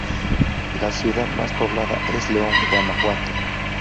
La ciudad más poblada es León, Guanajuato.